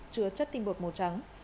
chứa chất tinh bột màu trắng